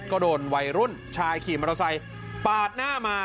ก็โดนวัยรุ่นชายขี่มอเตอร์ไซค์ปาดหน้ามา